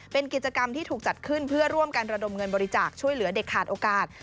เป็นกิจกรรมที่ถูกจัดขึ้นเพื่อร่วมกันระดมเงินบริจาคช่วยเหลือเด็กขาดโอกาส